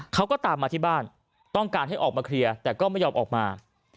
เขาก็ตามมาที่บ้านต้องการให้ออกมาเคลียร์แต่ก็ไม่ยอมออกมา